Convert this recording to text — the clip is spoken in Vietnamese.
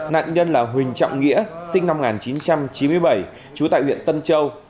nạn nhân là huỳnh trọng nghĩa sinh năm một nghìn chín trăm chín mươi bảy trú tại huyện tân châu